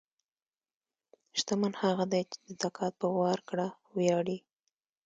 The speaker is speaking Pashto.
شتمن هغه دی چې د زکات په ورکړه ویاړي.